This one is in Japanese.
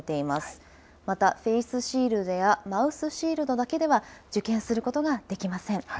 また、フェイスシールドやマウスシールドだけでは、受験することができません。